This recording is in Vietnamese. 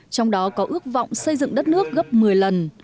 trong đó có ước vọng xây dựng đất nước gấp một mươi lần